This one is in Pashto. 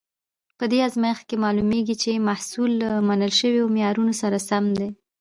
په دې ازمېښت کې معلومیږي چې محصول له منل شویو معیارونو سره سم دی.